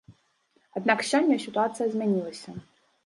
Аднак сёння сітуацыя змянілася.